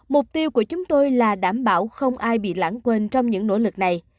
mục tiêu của chúng tôi là đảm bảo không ai bị lãng quên trong những nỗ lực này